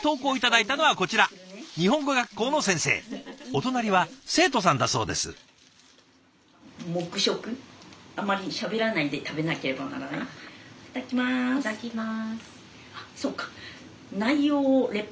いただきます。